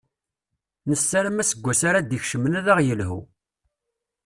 Nessaram aseggas ara d-ikecmen ad aɣ-yelhu.